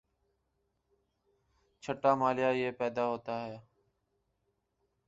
چھٹا مألہ یہ پیدا ہوتا ہے